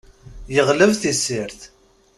Yeɣleb tisirt.